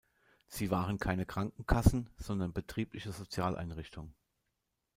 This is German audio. Sie waren keine Krankenkassen, sondern betriebliche Sozialeinrichtung.